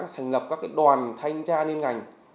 thành lập các đoàn thanh tra niên ngành